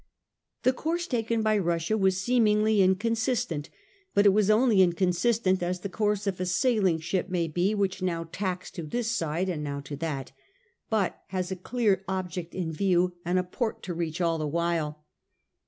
The course taken by Russia was seemingly inconsistent ; but it was only inconsistent as the course of a sailing ship may be which now tacks to this side and now to that, but has a clear object in view and a port to reach all the while.